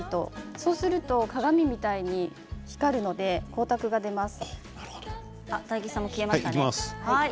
そうすると鏡みたいに光るので光沢が出ます。